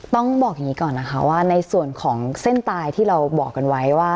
ต้องบอกอย่างนี้ก่อนนะคะว่าในส่วนของเส้นตายที่เราบอกกันไว้ว่า